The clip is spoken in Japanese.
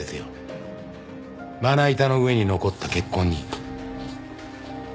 まな板の上に残った血痕に。